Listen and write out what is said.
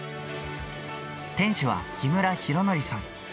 店主は木村浩敬さん。